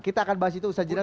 kita akan bahas itu ustaz jirah